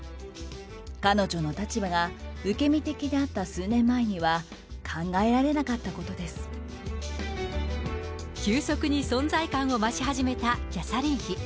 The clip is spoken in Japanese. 彼女の立場が受け身的であった数年前には、考えられなかったこと急速に存在感を増し始めたキャサリン妃。